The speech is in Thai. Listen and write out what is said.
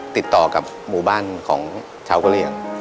ติดต่อกับหมู่บ้านของชาวเมือง